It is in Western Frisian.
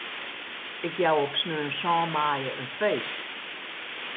Ik jou op sneon sân maaie in feest.